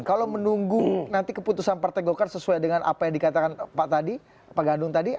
kalau menunggu nanti keputusan partai golkar sesuai dengan apa yang dikatakan pak tadi pak gandum tadi